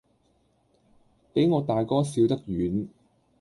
比我大哥小得遠，